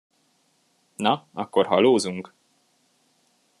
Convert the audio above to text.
Na, akkor halózunk?